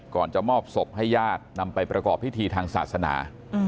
ก่อนจะมอบศพให้ญาตินำไปประกอบพิธีทางศาสนา